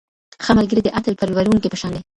ښه ملګری د عطر پلورونکي په شان دی.